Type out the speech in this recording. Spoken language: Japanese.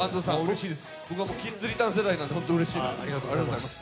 僕はキッズリターン世代なので本当にうれしいです。